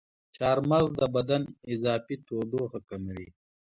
چارمغز د بدن اضافي تودوخه کموي.